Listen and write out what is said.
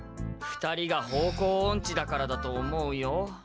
２人が方向オンチだからだと思うよ？